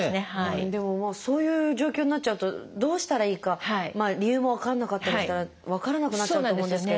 でもそういう状況になっちゃうとどうしたらいいか理由も分からなかったりしたら分からなくなっちゃうと思うんですけれども。